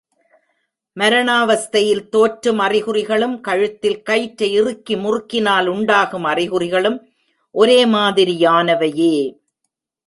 மரணாவஸ்தையில் தோற்றும் அறிகுறிகளும் கழுத்தில் கயிற்றை இறுக்கி முறுக்கினால் உண்டாகும் அறிகுறிகளும் ஒரே மாதிரியானவையே.